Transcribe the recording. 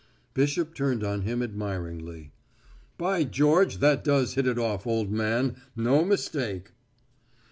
Bishop turned on him admiringly. "By George, that does hit it off, old man no mistake!"